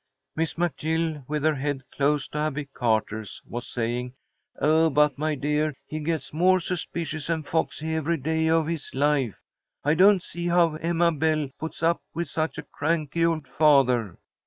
Miss McGill, with her head close to Abby Carter's, was saying: "Oh, but, my dear, he gets more suspicious and foxy every day of his life. I don't see how Emma Belle puts up with such a cranky old father."